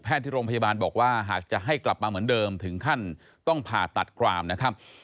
ที่โรงพยาบาลบอกว่าหากจะให้กลับมาเหมือนเดิมถึงขั้นต้องผ่าตัดกรามนะครับ